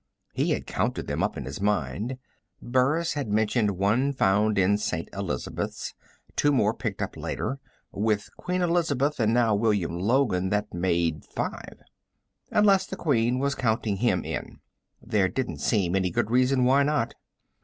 _" He had counted them up in his mind. Burris had mentioned one found in St. Elizabeths, and two more picked up later. With Queen Elizabeth, and now William Logan, that made five. Unless the Queen was counting him in. There didn't seem any good reason why not.